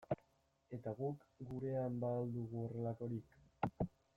Eta guk gurean ba al dugu horrelakorik?